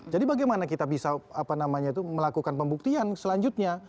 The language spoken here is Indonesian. jadi bagaimana kita bisa apa namanya itu melakukan pembuktian selanjutnya